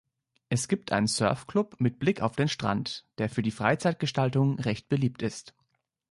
Es gibt einen Surfclub mit Blick auf den Strand, der für die Freizeitgestaltung recht beliebt ist.